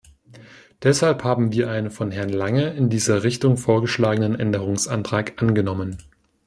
Deshalb haben wir einen von Herrn Lange in dieser Richtung vorgeschlagenen Änderungsantrag angenommen.